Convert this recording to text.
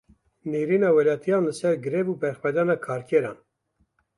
Nêrîna welatiyan li ser grev û berxwedana karkeran.